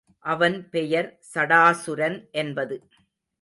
அவன் பெயர் சடாசுரன் என்பது.